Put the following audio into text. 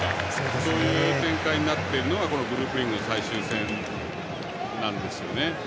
そういう展開になっているのがグループリーグの最終戦なんですね。